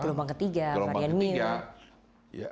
gelombang ketiga varian new